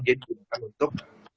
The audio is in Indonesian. dia digunakan untuk